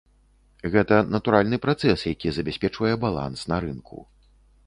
Гэта натуральны працэс, які забяспечвае баланс на рынку.